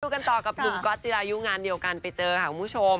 กันต่อกับหนุ่มก๊อตจิรายุงานเดียวกันไปเจอค่ะคุณผู้ชม